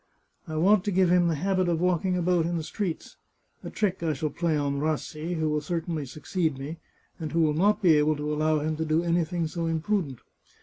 I want to give him the habit of walking about in the streets — a trick I shall play on Rassi, who will certainly succeed me, and who will not be able to allow him to do anything so im prudent.